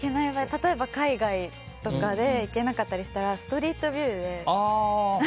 例えば、海外とかで行けなかったりしたらストリートビューで。